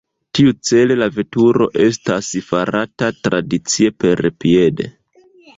Tiucele la veturo estas farata tradicie perpiede.